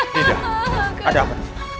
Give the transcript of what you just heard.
nida ada apa